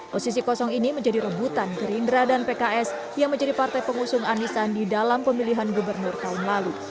posisi kosong ini menjadi rebutan gerindra dan pks yang menjadi partai pengusung anies sandi dalam pemilihan gubernur tahun lalu